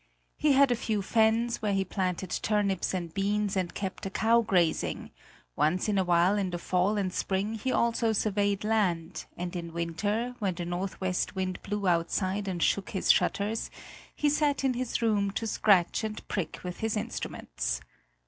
He had a few fens, where he planted turnips and beans and kept a cow grazing; once in a while in the fall and spring he also surveyed land, and in winter, when the northwest wind blew outside and shook his shutters, he sat in his room to scratch and prick with his instruments.